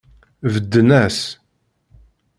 Bedden-as.